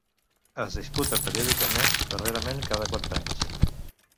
Es disputa periòdicament, darrerament cada quatre anys.